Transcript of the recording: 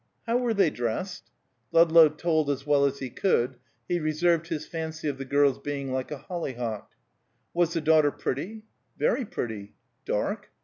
"How were they dressed?" Ludlow told as well as he could; he reserved his fancy of the girl's being like a hollyhock. "Was the daughter pretty?" "Very pretty." "Dark?"